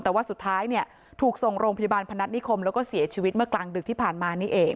แต่ว่าสุดท้ายเนี่ยถูกส่งโรงพยาบาลพนัฐนิคมแล้วก็เสียชีวิตเมื่อกลางดึกที่ผ่านมานี่เอง